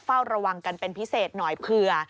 เฝ้าระวังกันเป็นพิเศษหน่อยเผื่อ